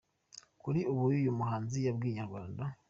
Kuri ubu uyu muhanzi yabwiye Inyarwanda.